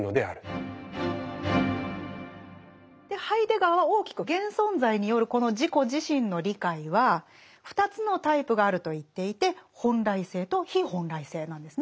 ハイデガーは大きく現存在によるこの自己自身の理解は２つのタイプがあると言っていて「本来性」と「非本来性」なんですね。